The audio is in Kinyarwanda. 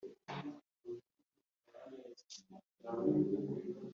kuko n uzapfa ate imyaka ijana